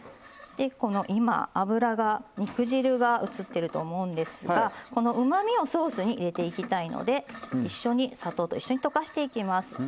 でこの今脂が肉汁が映ってると思うんですがこのうまみをソースに入れていきたいので砂糖と一緒に溶かしていきます。